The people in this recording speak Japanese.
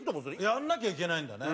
やんなきゃいけないんだね。